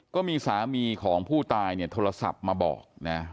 ก็มีสามีของผู้ตายเนี่ยโทรศัพท์มาบอกนะ